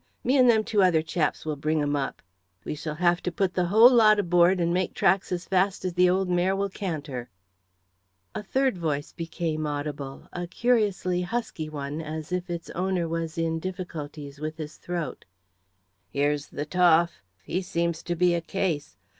Me and them other two chaps will bring 'em up. We shall have to put the whole lot aboard, and make tracks as fast as the old mare will canter." A third voice became audible a curiously husky one, as if its owner was in difficulties with his throat. "Here's the Toff he seems to be a case.